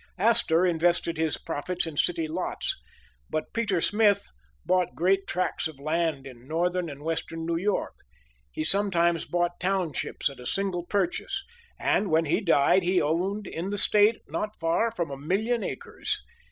Astor invested his profits in city lots, but Peter Smith bought great tracts of land in northern and western New York. He sometimes bought townships at a single purchase, and when he died he owned in the State not far from a million acres.